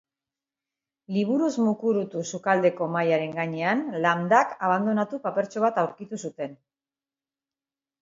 Liburuz mukurutu sukaldeko mahaiaren gainean Lamdak abandonatu papertxo bat aurkitu zuten.